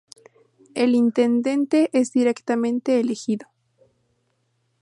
El intendente es directamente elegido.